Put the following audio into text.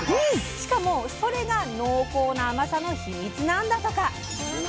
しかもそれが濃厚な甘さのヒミツなんだとか！